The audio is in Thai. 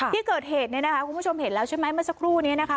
ที่เกิดเหตุคุณผู้ชมเห็นแล้วใช่ไหมมาสักครู่นี้นะคะ